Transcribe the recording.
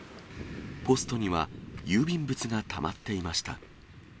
ポストには郵便物がたまっていました。